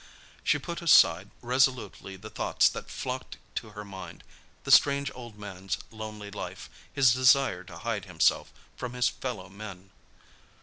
She put aside resolutely the thoughts that flocked to her mind—the strange old man's lonely life, his desire to hide himself from his fellow men.